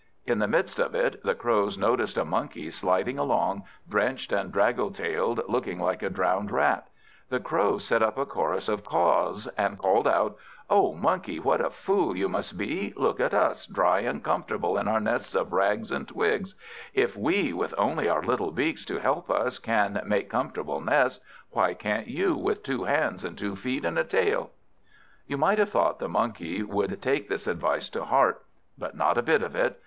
In the midst of it, the Crows noticed a Monkey sliding along, drenched and draggle tailed, looking like a drowned Rat. The Crows set up a chorus of caws, and called out "O Monkey, what a fool you must be! Look at us, dry and comfortable, in our nests of rags and twigs. If we, with only our little beaks to help us, can make comfortable nests, why can't you, with two hands and two feet and a tail?" You might have thought the Monkey would take this advice to heart. But not a bit of it.